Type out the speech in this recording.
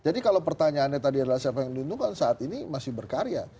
jadi kalau pertanyaan anda tadi siapa yang dihitung sekarang saat ini masih berkarya